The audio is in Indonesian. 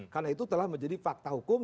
karena itu telah menjadi fakta hukum